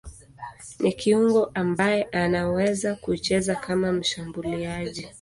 Ni kiungo ambaye anaweza kucheza kama mshambuliaji.